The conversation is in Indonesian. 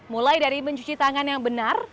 mulai dari mencuci tangan yang benar